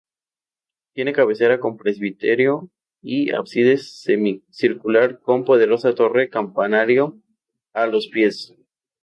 Tiene cabecera con presbiterio y ábside semicircular, con poderosa torre campanario a los pies.